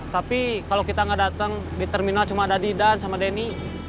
tapi kalau kita nggak datang di terminal cuma ada didan sama deni